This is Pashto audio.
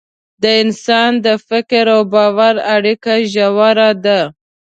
د انسان د فکر او باور اړیکه ژوره ده.